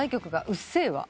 『うっせぇわ』